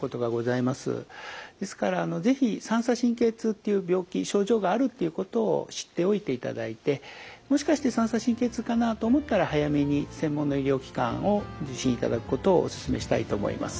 ですから是非三叉神経痛っていう病気症状があるっていうことを知っておいていただいてもしかして三叉神経痛かなあ？と思ったら早めに専門の医療機関を受診いただくことをお勧めしたいと思います。